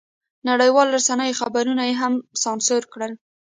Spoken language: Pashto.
نړیوالو رسنیو خبرونه یې هم سانسور کړل.